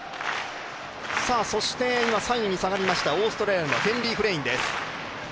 そして３位に下がりましたオーストラリアのヘンリー・フレインです。